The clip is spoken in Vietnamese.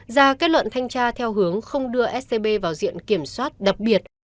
ra kết luận thanh tra theo hướng không đưa scb vào diện kiểm soát đặc biệt